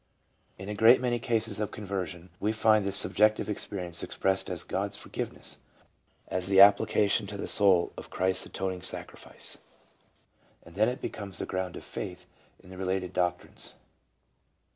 In a great many cases of conversion we find this subjective experience expressed as God's for giveness, as the application to the soul of Christ's atoning' sacrifice, and then it becomes the ground of faith in the re lated doctrines.